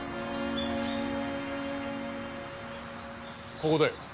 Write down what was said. ここだよ。